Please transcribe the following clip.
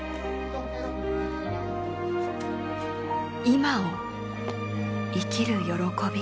今を生きる喜び。